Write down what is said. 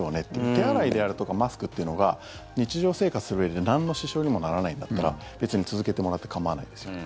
手洗いであるとかマスクっていうのが日常生活をするうえでなんの支障にもならないんだったら別に続けてもらって構わないですよね。